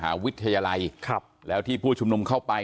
ทางรองศาสตร์อาจารย์ดรอคเตอร์อัตภสิตทานแก้วผู้ชายคนนี้นะครับ